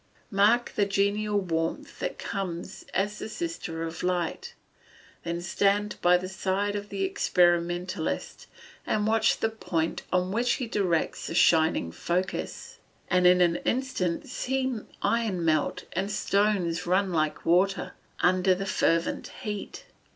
Mark the genial warmth that comes as the sister of light; then stand by the side of the experimentalist and watch the point on which he directs the shining focus, and in an instant see iron melt and stones run like water, under the fervent heat!